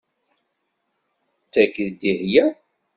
D tagi i d Dihia